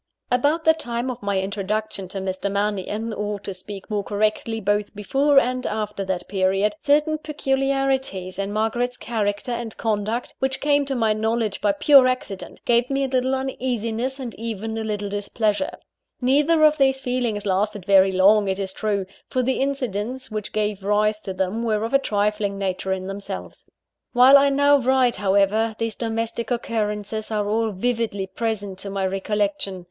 About the time of my introduction to Mr. Mannion or, to speak more correctly, both before and after that period certain peculiarities in Margaret's character and conduct, which came to my knowledge by pure accident, gave me a little uneasiness and even a little displeasure. Neither of these feelings lasted very long, it is true; for the incidents which gave rise to them were of a trifling nature in themselves. While I now write, however, these domestic occurrences are all vividly present to my recollection.